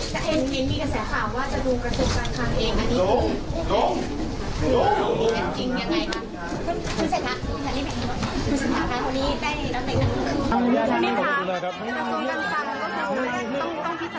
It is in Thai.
ตอนนี้ได้เล่าได้น้ำ